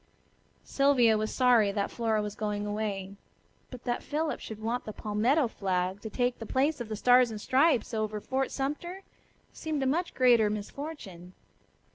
Sylvia was sorry that Flora was going away, but that Philip should want the palmetto flag to take the place of the Stars and Stripes over Fort Sumter seemed a much greater misfortune.